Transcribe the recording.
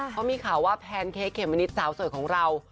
เขามีข่าวว่าแพนเค้กเขมมะนิดสาวสวยของเรา